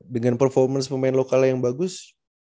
dengan performance pemain lokalnya yang bagus